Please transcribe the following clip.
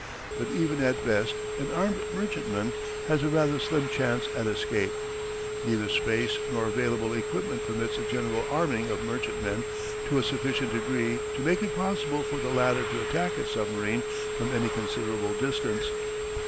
But even at best, an armed merchantman has a rather slim chance at escape. Neither space nor available equipment permits a general arming of merchantmen to a sufficient degree to make it possible for the latter to attack a submarine from any considerable distance.